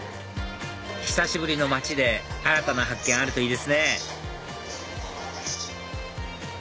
久しぶりの街で新たな発見あるといいですね